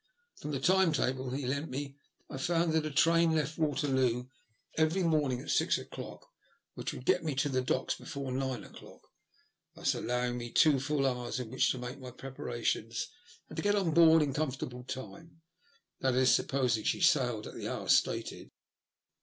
From the time table he lent me I found that a train left Waterloo every morning at six o'clock, which would get me to the docks before nine o*clock, thus allowing me two full hours in which to make my preparations and to get on board in comfortable time ; that is, supposing she sailed at the hour stated.